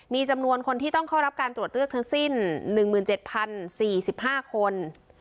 มีจำนวนคนที่ต้องเข้ารับการตรวจเลือกทั้งสิ้น๑๗๐๔๕คน